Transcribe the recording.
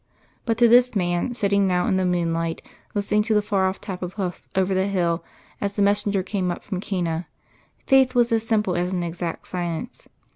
But to this man, sitting now in the moonlight, listening to the far off tap of hoofs over the hill as the messenger came up from Cana, faith was as simple as an exact science.